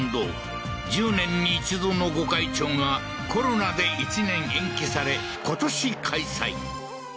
十年に一度の御開帳がコロナで１年延期され今年開催